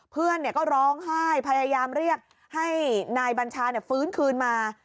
เพื่อนก็ร้องไห้พยายามเรียกให้นายบัญชาฟื้นคืนมา